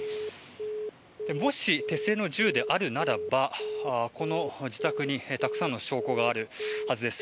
もし、手製の銃であるならばこの自宅にたくさんの証拠があるはずです。